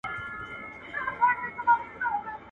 o باران وسو، چاکونه پټ سول.